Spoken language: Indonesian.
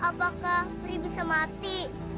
apakah peri bisa mati